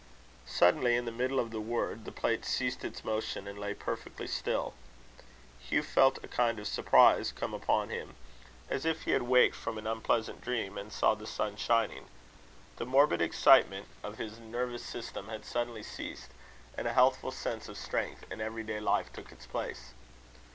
Suddenly, in the middle of the word, the plate ceased its motion, and lay perfectly still. Hugh felt a kind of surprise come upon him, as if he waked from an unpleasant dream, and saw the sun shining. The morbid excitement of his nervous system had suddenly ceased, and a healthful sense of strength and every day life took its place.